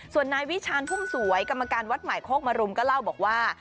ส่วนนายวิชานพุ่มสวยกรรมการวัฏหมายโฆกมารุมว่า